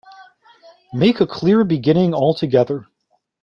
Make a clear beginning altogether.